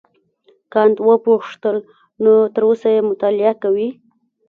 کانت وپوښتل نو تر اوسه یې مطالعه کوې.